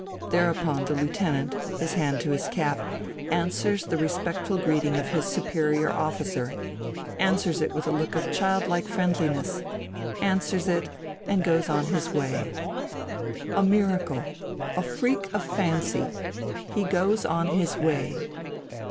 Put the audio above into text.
Thereupon the lieutenant, his hand to his cap, answers the respectful greeting of his superior officer answers it with a look of child like friendliness; answers it and goes on his way. A miracle! A freak of fancy! He goes on his way.